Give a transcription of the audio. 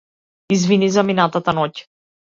Извини за минатата ноќ.